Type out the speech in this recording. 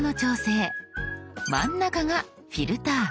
真ん中が「フィルター」。